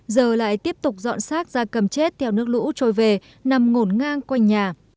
giờ lại tiếp tục dọn sát da cầm chết theo nước lũ trôi về nằm ngổn ngang quanh nhà